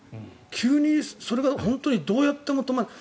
急にそれが本当にどうやっても止まらない。